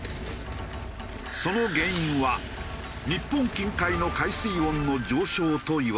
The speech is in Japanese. その原因は日本近海の海水温の上昇といわれている。